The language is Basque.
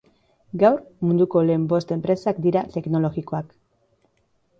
Gaur munduko lehen bost enpresak dira teknologikoak.